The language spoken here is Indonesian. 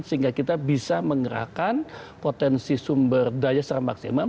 sehingga kita bisa mengerahkan potensi sumber daya secara maksimum